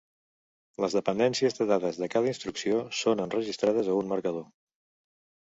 Les dependències de dades de cada instrucció són enregistrades a un marcador.